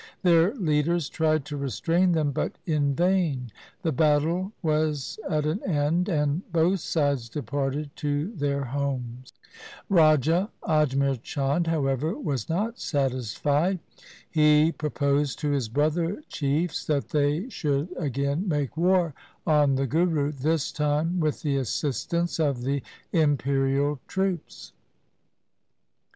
Their leaders tried to restrain them, but in vain. The battle was at an end, and both sides departed to their homes. Raja Ajmer Chand, however, was not satisfied. He proposed to his brother chiefs that they should again make war on the Guru, this time with the assistance of the imperial troops.